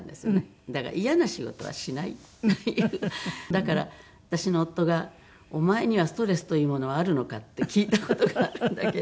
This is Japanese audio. だから私の夫が「お前にはストレスというものはあるのか？」って聞いた事があるんだけど。